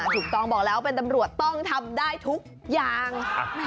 ถูกต้องบอกแล้วเป็นตำรวจต้องทำได้ทุกอย่าง